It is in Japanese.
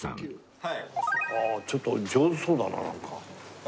ちょっと上手そうだななんか。